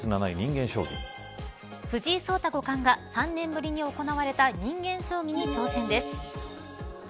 藤井聡太五冠が３年ぶりに行われた人間将棋に挑戦です。